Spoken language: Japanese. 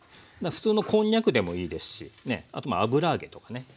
普通のこんにゃくでもいいですしあと油揚げとかね。